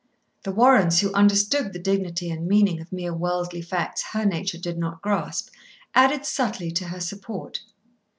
The Warrens, who understood the dignity and meaning of mere worldly facts her nature did not grasp, added subtly to her support.